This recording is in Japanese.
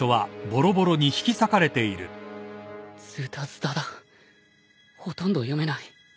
ずたずただほとんど読めない。